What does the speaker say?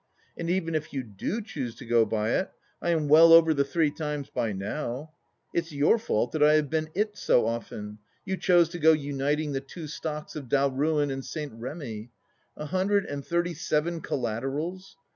And even if you do choose to go by it, I am well over the three times by now. It's your fault that I have been it so often ; you chose to go uniting the two stocks of Dalruan and St. Remy. A hundred and thirty seven collaterals